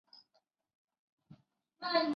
东石寨的历史年代为清。